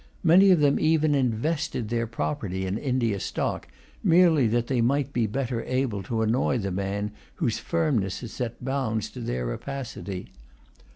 Many of them even invested their property in India stock, merely that they might be better able to annoy the man whose firmness had set bounds to their rapacity.